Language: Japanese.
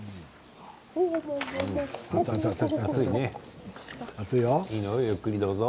熱いね、ゆっくりどうぞ。